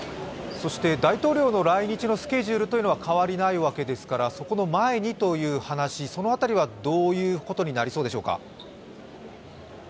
大統領の来日のスケジュールというのは変わりないわけですからそこの前にという話、その辺りはどういうことになりそうですか？